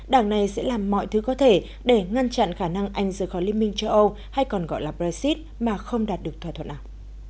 đảng này sẽ làm mọi thứ có thể để ngăn chặn khả năng anh rời khỏi liên minh châu âu hay còn gọi là brexit mà không đạt được thỏa thuận nào